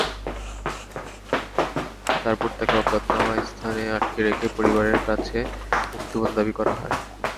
তারপর তাঁকে অজ্ঞাতনামা স্থানে আটকে রেখে পরিবারে কাছে মুক্তিপণ দাবি করা হয়।